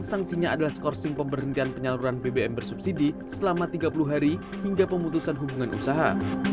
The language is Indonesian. sanksinya adalah skorsing pemberhentian penyaluran bbm bersubsidi selama tiga puluh hari hingga pemutusan hubungan usaha